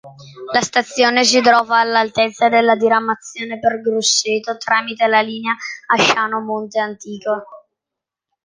La stazione si trova all'altezza della diramazione per Grosseto tramite la linea Asciano-Monte Antico.